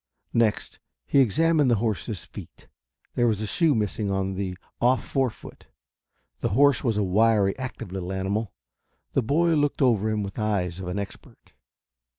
Next he examined the horse's feet. There was a shoe missing on the off fore foot. The horse was a wiry, active little animal. The boy looked over him with the eyes of an expert.